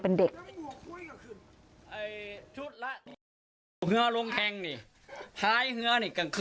เป็นเด็ก